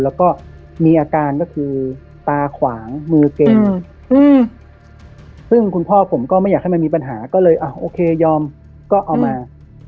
แล้วก็มีอาการก็คือตาขวางมือเก่งซึ่งคุณพ่อผมก็ไม่อยากให้มันมีปัญหาก็เลยโอเคยอมก็เอามา